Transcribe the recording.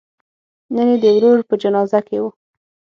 نن یې د ورور په جنازه کې و.